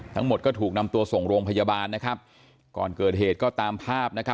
ทั้งหมดก็ถูกนำตัวส่งโรงพยาบาลนะครับก่อนเกิดเหตุก็ตามภาพ